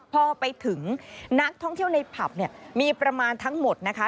พอไปถึงนักท่องเที่ยวในผับเนี่ยมีประมาณทั้งหมดนะคะ